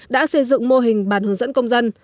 đã xây dựng mô hình bàn hướng dẫn công dân